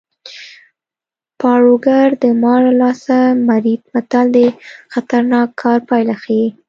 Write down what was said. پاړوګر د مار له لاسه مري متل د خطرناک کار پایله ښيي